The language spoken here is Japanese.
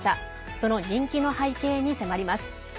その人気の背景に迫ります。